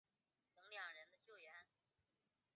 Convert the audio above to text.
町内没有铁路。